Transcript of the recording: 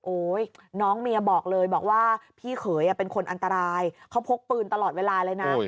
น้องเมียบอกเลยบอกว่าพี่เขยเป็นคนอันตรายเขาพกปืนตลอดเวลาเลยนะ